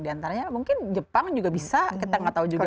di antaranya mungkin jepang juga bisa kita nggak tahu juga